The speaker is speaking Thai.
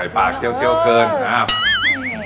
ใส่ปากเกี่ยวเกินอ้าว